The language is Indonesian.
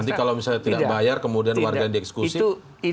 nanti kalau misalnya tidak bayar kemudian warga yang dieksekusi